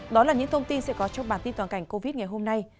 đó là những thông tin sẽ có trong bản tin toàn cảnh covid ngày hôm nay